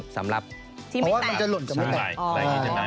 สำหรับที่ไม่แตกใช่มั้ยอย่างนี้จะไง